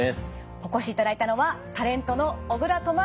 お越しいただいたのはタレントの小倉智昭さんです。